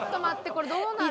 これどうなる？